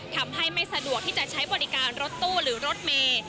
ไม่สะดวกที่จะใช้บริการรถตู้หรือรถเมย์